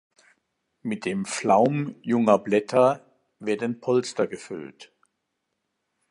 Mit dem Flaum junger Blätter werden Polster gefüllt.